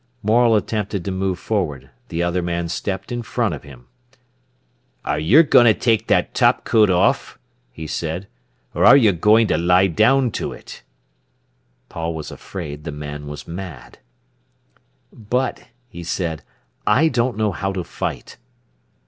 Morel attempted to move forward; the other man stepped in front of him. "Are yer goin' to take that top coat off," he said, "or are you goin' to lie down to it?" Paul was afraid the man was mad. "But," he said, "I don't know how to fight."